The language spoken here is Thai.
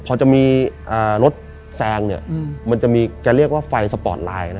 พอจะมีรถแซงเนี่ยมันจะมีแกเรียกว่าไฟสปอร์ตไลน์นะ